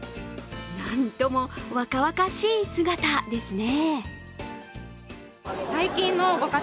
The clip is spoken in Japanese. なんとも若々しい姿ですね。